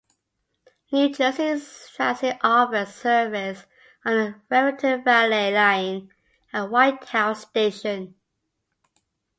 New Jersey Transit offers service on the Raritan Valley Line at White House Station.